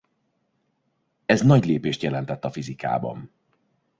Ez nagy lépést jelentett a fizikában.